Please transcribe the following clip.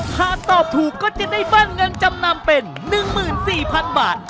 หากตอบถูกก็จะได้เบิ้ลเงินจำนำเป็น๑๔๐๐๐บาท